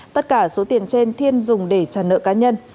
tất cả số tiền trên thiên dùng để trả nợ cá nhân